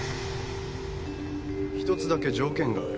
１つだけ条件がある。